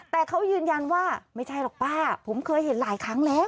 แต่เขายืนยันว่าไม่ใช่หรอกป้าผมเคยเห็นหลายครั้งแล้ว